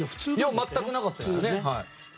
全くなかったです。